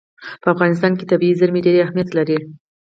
په افغانستان کې طبیعي زیرمې ډېر اهمیت لري.